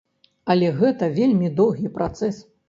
Але гэта вельмі доўгі працэс.